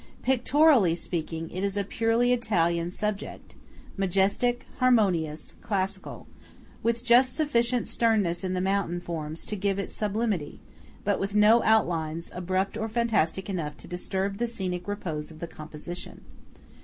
Pictorially speaking, it is a purely Italian subject, majestic, harmonious, classical; with just sufficient sterness in the mountain forms to give sublimity, but with no outlines abrupt or fantastic enough to disturb the scenic repose of the composition.